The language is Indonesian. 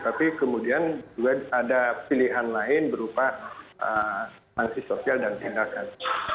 tapi kemudian juga ada pilihan lain berupa sanksi sosial dan tindakan